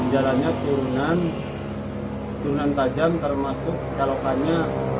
jalannya turunan turunan tajam termasuk kelokannya